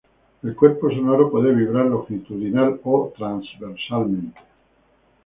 El cuerpo sonoro puede vibrar longitudinal o transversalmente.